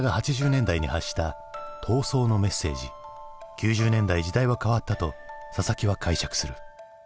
９０年代時代は変わったと佐々木は解釈する。